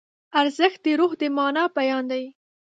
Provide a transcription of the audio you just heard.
ارزښت د روح د مانا بیان دی.